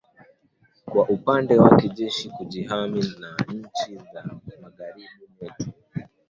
kwa upande wake jeshi la kujihami la nchi za magharibi neto